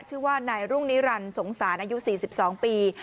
ชื่อว่านายรุ่งนิรันสงสานอายุสี่สิบสองปี